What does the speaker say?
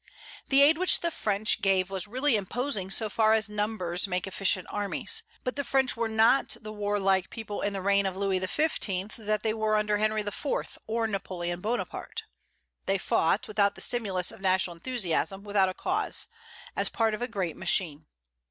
The aid which the French gave was really imposing, so far as numbers make efficient armies. But the French were not the warlike people in the reign of Louis XV. that they were under Henry IV., or Napoleon Bonaparte. They fought, without the stimulus of national enthusiasm, without a cause, as part of a great machine.